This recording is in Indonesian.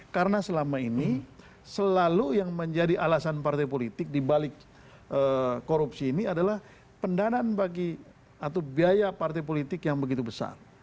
karena selama ini selalu yang menjadi alasan partai politik dibalik korupsi ini adalah pendanaan bagi atau biaya partai politik yang begitu besar